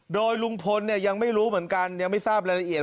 โดยลุงพลยังไม่รู้เหมือนกันยังไม่ทราบรายละเอียด